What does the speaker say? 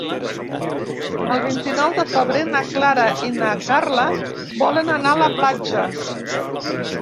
El vint-i-nou de febrer na Clara i na Carla volen anar a la platja.